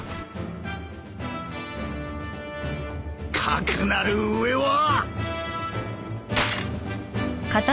かくなる上は。